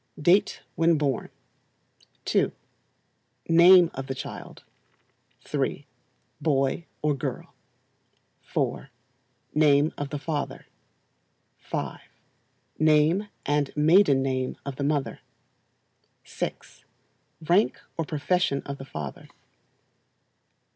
Date when born. 2. Name of the child. 3. Boy or girl. 4. Name of the father. 5. Name and maiden name of the mother. 6. Rank or profession of the father.